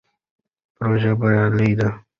پروژه بریالۍ ده.